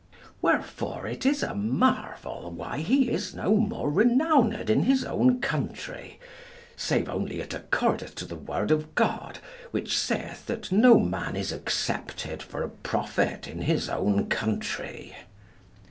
Wherefore it is a marvel why he is no more renowned in his own country, save only it accordeth to the word of God, which saith that no man is accepted for a prophet in his own country.